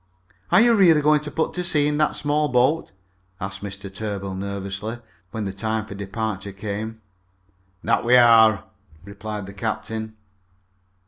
"Are you really going to put to sea in that small boat?" asked Mr. Tarbill nervously, when the time for departure came. "That's what we are," replied the captain.